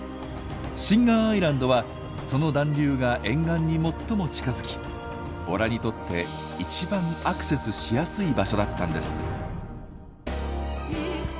シンガーアイランドはその暖流が沿岸に最も近づきボラにとって一番アクセスしやすい場所だったんです。